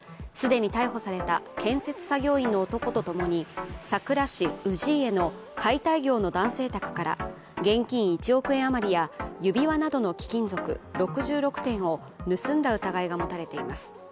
自称・埼玉県行田市の建設員作業手伝い、富田匠容疑者は既に逮捕された建設作業員の男とともにさくら市氏家の解体業の男性宅から現金１億円余りや指輪などの貴金属６６点を盗んだ疑いが持たれています。